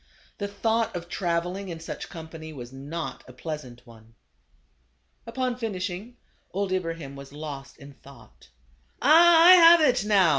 The thought of travel ing in such company was not a pleasant one. Upon finishing, old Ibrahim was lost in thought. " Ah, I have it now